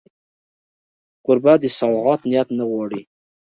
کوربه د سوغات نیت نه غواړي.